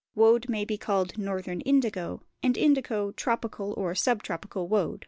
Woad may be called northern indigo; and indigo tropical or sub tropical woad.